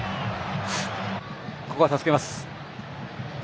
ここは助けます。